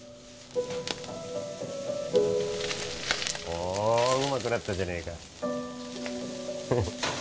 おおうまくなったじゃねえか